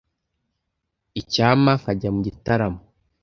Icyampa nkajya mu gitaramo.